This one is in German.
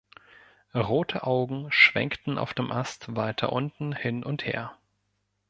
Rote-Augen schwenkten auf dem Ast weiter unten hin und her.